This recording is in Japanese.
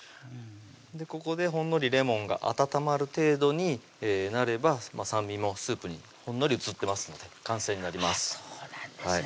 ここでほんのりレモンが温まる程度になれば酸味もスープにほんのり移ってますので完成になりますそうなんですね